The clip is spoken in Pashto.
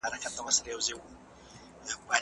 ابن خلدون د دين په نقشه کي د تعليم اهمیت توضیحوي.